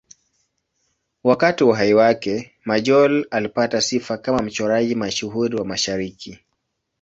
Wakati wa uhai wake, Majolle alipata sifa kama mchoraji mashuhuri wa Mashariki.